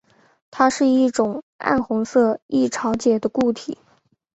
它是一种暗红色易潮解的固体。